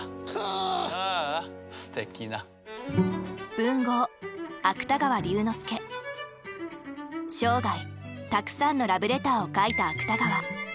文豪生涯たくさんのラブレターを書いた芥川。